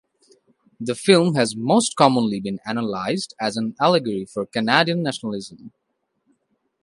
The film has most commonly been analyzed as an allegory for Canadian nationalism.